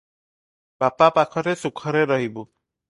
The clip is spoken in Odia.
ବାପା ପାଖରେ ସୁଖରେ ରହିବୁ ।"